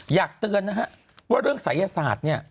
อยากเตือนนะฮะว่าเรื่องศัยศาสตร์เนี่ย